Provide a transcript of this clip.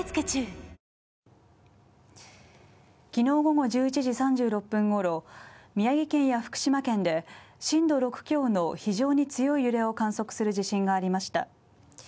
昨日午後１１時３６分頃、宮城県や福島県で震度６強の非常に強い揺れを観測する地震がありました。